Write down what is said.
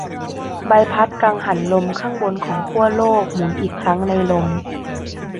ใบพัดกังหันลมข้างบนของขั้วโลกหมุนอีกครั้งในลม